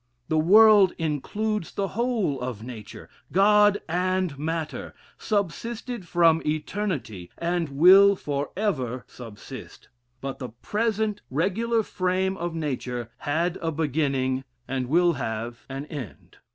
The world, including the whole of nature, God and matter, subsisted from eternity, and will for ever subsist; but the present regular frame of nature had a beginning, and will have an end.